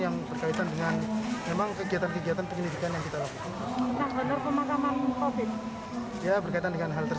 apakah ada kesempatan yang lain